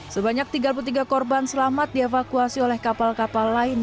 sebanyak tiga puluh tiga korban selamat dievakuasi oleh kapal kapal lain